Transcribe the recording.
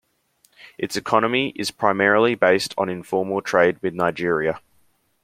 Its economy is primarily based on informal trade with Nigeria.